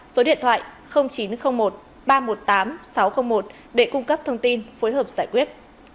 số điện thoại chín trăm linh một ba trăm một mươi tám sáu trăm linh một để cung cấp thông tin phối hợp giải quyết